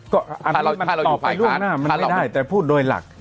ก็อันนี้มันต่อไปล่วงหน้ามันไม่ได้แต่พูดโดยหลัก